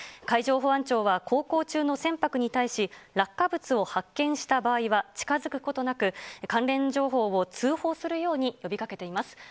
海上保安庁は航行中の船舶に対し、落下物を発見した場合は近づくことなく、関連情報を通報するように呼びかけています。